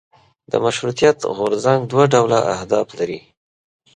د مشروطیت غورځنګ دوه ډوله اهداف لرل.